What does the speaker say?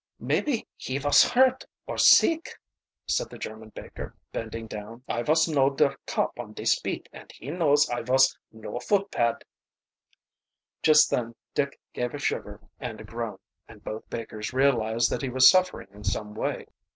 "Maype he vos hurt, or sick," said the German baker, bending down. "I vos know der cop on dis beat and he knows I vos no footpad." Just then Dick gave a shiver and a groan, and both bakers realized that he was suffering in some way.